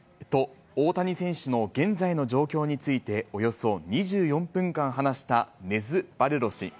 と、大谷選手の現在の状況について、およそ２４分間話したネズ・バレロ氏。